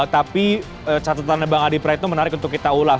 tapi catatan bang adi praetno menarik untuk kita ulas